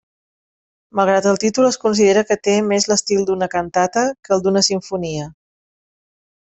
Malgrat el títol, es considera que té més l'estil d'una cantata que el d'una simfonia.